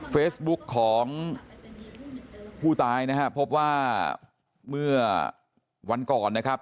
เฟซบุ๊กของผู้ตายนะครับพบว่าเมื่อวันก่อนนะครับ